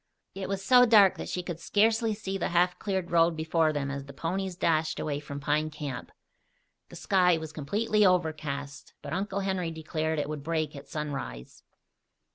It was so dark that she could scarcely see the half cleared road before them as the ponies dashed away from Pine Camp. The sky was completely overcast, but Uncle Henry declared it would break at sunrise.